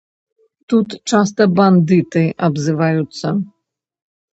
Тут часта бандыты абзываюцца.